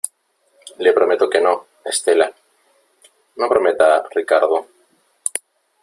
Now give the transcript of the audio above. le prometo que no , Estela . no prometa , Ricardo .